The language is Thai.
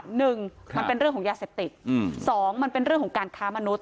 หนึ่งมันเป็นเรื่องของยาเสพติดอืมสองมันเป็นเรื่องของการค้ามนุษย